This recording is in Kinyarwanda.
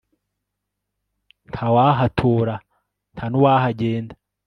nta wahatura, nta n'uwahagenda